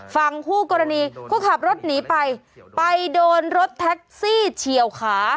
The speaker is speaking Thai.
ฝั่งคู่กรณีก็ขับรถหนีไปไปโดนรถแท็กซี่เฉียวขา